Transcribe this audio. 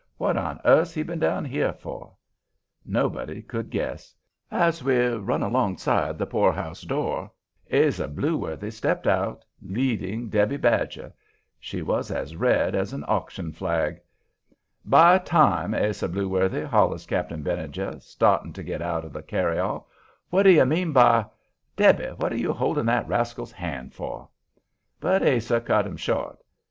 "What on earth's he been down here for?" Nobody could guess. As we run alongside the poorhouse door, Ase Blueworthy stepped out, leading Debby Badger. She was as red as an auction flag. "By time, Ase Blueworthy!" hollers Cap'n Benijah, starting to get out of the carryall, "what do you mean by Debby, what are you holding that rascal's hand for?" But Ase cut him short.